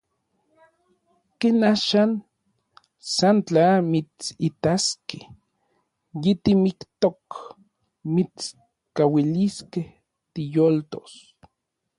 Ken axan, san tla mitsitaskej yitimiktok mitskauiliskej tiyoltos.